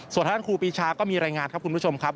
ส่วนท่านครูปีชาก็มีรายงานครับคุณผู้ชมครับ